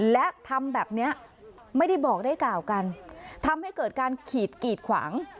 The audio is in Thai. และทำแบบเนี้ยไม่ได้บอกได้กล่าวกันทำให้เกิดการขีดกีดขวาง